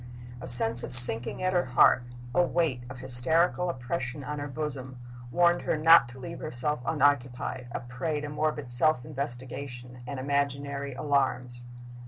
A sense of sinking at her heart, a weight of hysterical oppression on her bosom, warned her not to leave herself unoccupied, a prey to morbid self investigation and imaginary alarms.